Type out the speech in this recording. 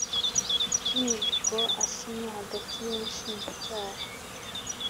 y imihigo asinywa hagati y Umushinjacyaha